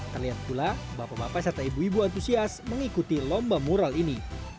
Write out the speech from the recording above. terlihat pula bapak bapak serta ibu ibu antusias mengikuti lomba mural ini